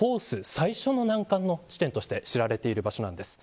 最初の難関の地点として知られている場所です。